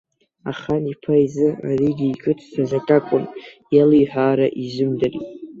Ахан-иԥа изы аригьы иҿыцӡаз акакәын, иалиҳәаара изымдырит.